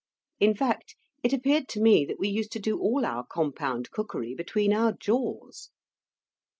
In fact, it appeared to me that we used to do all our compound cookery between our jaws.